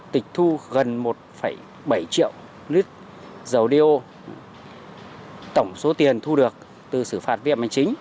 tịch thu gần một bảy triệu lít dầu đeo tổng số tiền thu được từ xử phạt vi phạm hành chính